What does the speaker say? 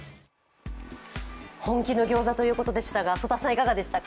本気の餃子ということでしたが曽田さん、いかがでしたか？